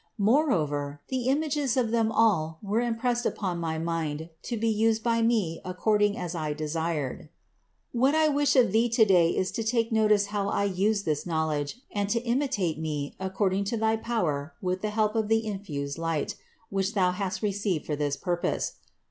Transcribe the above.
Moreover the images of them all were impressed upon my mind to be used by me according as I desired. 14. What I wish of thee today is to take notice how I used this knowledge and to imitate me according to thy power with the help of the infused light, which thou hast received for this purpose.